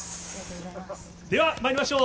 では、まいりましょう。